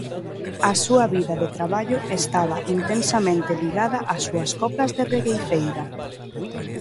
A súa vida de traballo estaba intensamente ligada as súas coplas de regueifeira.